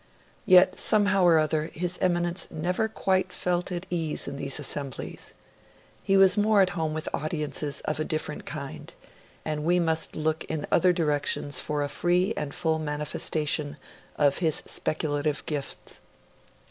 Yet, somehow or other, his Eminence never felt quite at ease in these assemblies; he was more at home with audiences of a different kind; and we must look in other directions for the free and full manifestation of his speculative gifts.